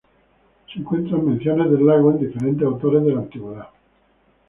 Se encuentran menciones del lago en diferentes autores de la antigüedad.